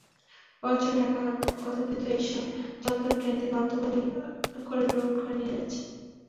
কয়েকজন ডাকাত অতর্কিত এসে চলন্ত ট্রেন থেকে অর্থ-কড়ি লুট করে নিয়ে যাচ্ছে।